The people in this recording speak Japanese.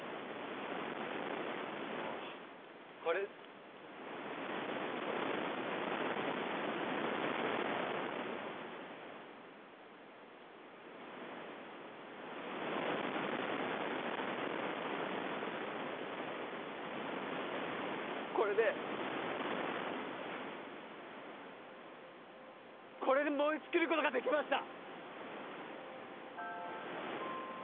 あのこれこれでこれで燃え尽きることができました